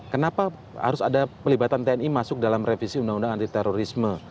kenapa harus ada pelibatan tni masuk dalam revisi undang undang anti terorisme